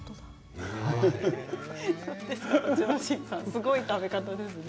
すごい食べ方ですね。